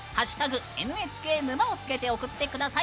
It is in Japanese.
「＃ＮＨＫ沼」を付けて送ってください。